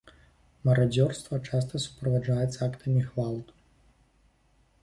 Марадзёрства часта суправаджаецца актамі гвалту.